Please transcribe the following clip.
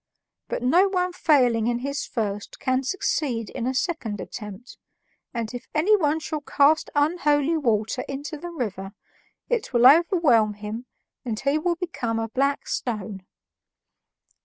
But no one failing in his first can succeed in a second attempt, and if anyone shall cast unholy water into the river, it will overwhelm him and he will become a black stone."